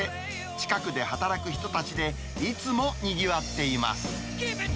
近くで働く人たちで、いつもにぎわっています。